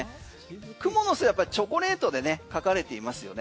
クモの巣やっぱチョコレートでね描かれていますよね。